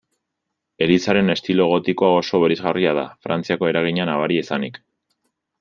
Elizaren estilo gotikoa oso bereizgarria da, Frantziako eragina nabaria izanik.